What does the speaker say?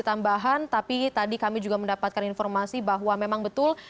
tambahan tapi tadi kami juga mendapatkan informasi bahwa memang betul